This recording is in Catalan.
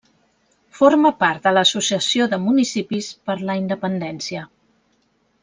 Forma part de l'Associació de Municipis per la Independència.